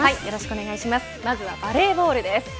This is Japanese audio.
まずはバレーボールです。